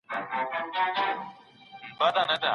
هغې وویل، ټولنیزې رسنۍ یوازې یوه برخه ده.